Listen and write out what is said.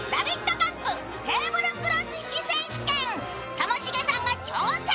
ともしげさんが挑戦。